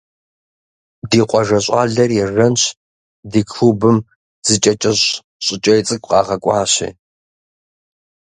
Ди къуажэ щӏалэр ежэнщ ди клубым зы кӏэ кӏэщӏ щӏыкӏей цӏыкӏу къагъэкӏуащи.